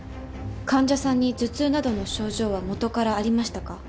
患者さんに頭痛などの症状は元からありましたか？